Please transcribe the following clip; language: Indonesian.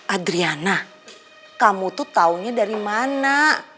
adriana kamu tuh tahunya dari mana